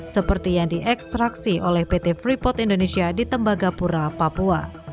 seperti yang diekstraksi oleh pt freeport indonesia di tembagapura papua